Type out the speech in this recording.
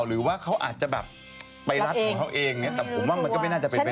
หรือว่าเขาอาจจะแบบไปรัดของเขาเองแต่ผมว่ามันก็ไม่น่าจะไปได้